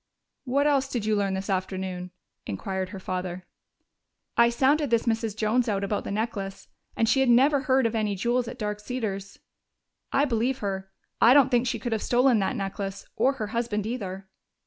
"What else did you learn this afternoon?" inquired her father. "I sounded this Mrs. Jones out about the necklace, and she had never heard of any jewels at Dark Cedars. I believe her I don't think she could have stolen that necklace or her husband, either."